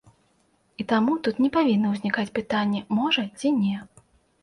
І таму тут не павінна ўзнікаць пытанне, можа ці не.